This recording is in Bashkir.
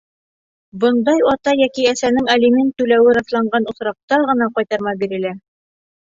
— Бындай ата йәки әсәнең алимент түләүе раҫланған осраҡта ғына ҡайтарма бирелә.